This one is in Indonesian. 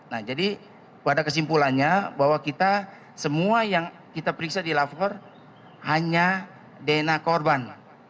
nah jadi pada kesimpulannya bahwa kita semua yang kita periksa di lapor hanya dna korban